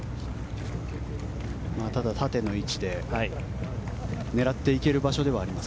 ただ、縦の位置で狙っていける場所ではあります。